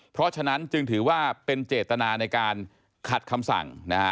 เพราะฉะนั้นจึงถือว่าเป็นเจตนาในการขัดคำสั่ง